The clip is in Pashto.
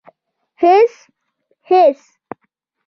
_هېڅ ، هېڅ.